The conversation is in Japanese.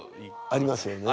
ありますね。